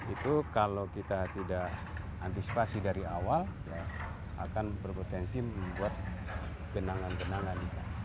itu kalau kita tidak antisipasi dari awal ya akan berpotensi membuat benangan benangan